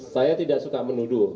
saya tidak suka menuduh